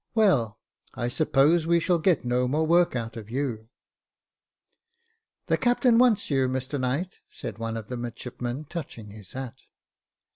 Well, I suppose we shall get no more work out of you "" The captain wants you, Mr Knight," said one of the midshipmen, touching his hat.